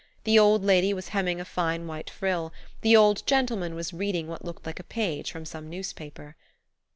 The old lady was hemming a fine white frill; the old gentleman was reading what looked like a page from some newspaper.